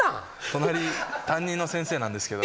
隣担任の先生なんですけど。